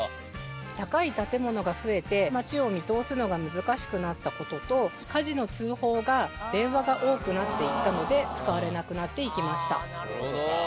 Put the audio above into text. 高い建物が増えて町を見通すのが難しくなった事と火事の通報が電話が多くなっていったので使われなくなっていきました。